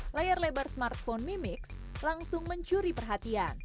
layar lebar smartphone mi mix langsung mencuri perhatian